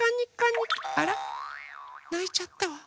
ないちゃったわ。